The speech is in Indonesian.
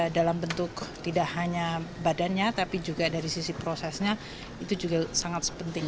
dalam bentuk tidak hanya badannya tapi juga dari sisi prosesnya itu juga sangat penting